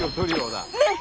ねっ！